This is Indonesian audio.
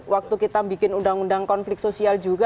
waktu kita bikin undang undang konflik sosial juga